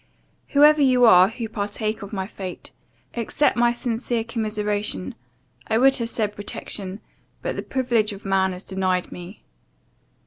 "Whoever you are, who partake of my fate, accept my sincere commiseration I would have said protection; but the privilege of man is denied me.